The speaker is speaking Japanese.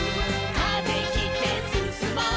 「風切ってすすもう」